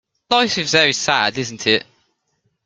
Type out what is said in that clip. Life is very sad, isn't it?